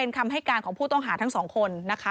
คำให้การของผู้ต้องหาทั้งสองคนนะคะ